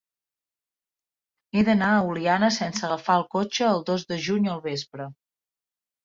He d'anar a Oliana sense agafar el cotxe el dos de juny al vespre.